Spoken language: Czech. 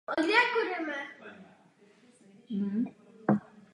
Kněžiště je zaklenuté valenou klenbou s výsečemi.